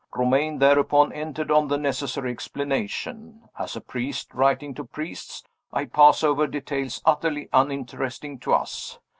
Romayne, thereupon, entered on the necessary explanation. As a priest writing to priests, I pass over details utterly uninteresting to us.